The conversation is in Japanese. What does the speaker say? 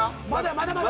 まだまだ。